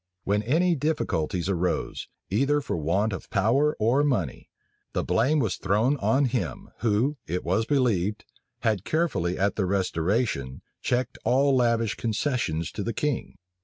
When any difficulties arose, either for want of power or money, the blame was still thrown on him, who, it was believed, had carefully at the restoration checked all lavish concessions to the king.